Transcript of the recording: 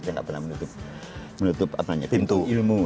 saya gak pernah menutup menutup apa ya pintu ilmu